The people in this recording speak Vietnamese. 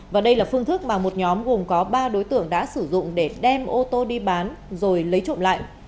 và đây là phương thức mà một nhóm gồm có ba đối tượng đã sử dụng để đem ô tô đi bán rồi lấy trộm lại